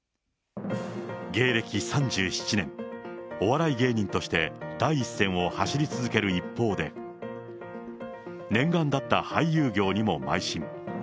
芸歴３７年、お笑い芸人として、第一線を走り続ける一方で、念願だった俳優業にもまい進。